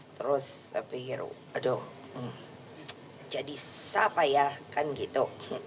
terus saya pikir aduh jadi siapa ya kan gitu